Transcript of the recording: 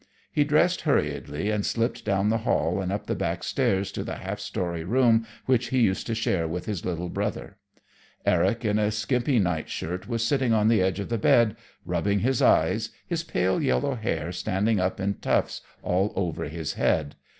He dressed hurriedly and slipped down the hall and up the back stairs to the half story room which he used to share with his little brother. Eric, in a skimpy night shirt, was sitting on the edge of the bed, rubbing his eyes, his pale yellow hair standing up in tufts all over his head.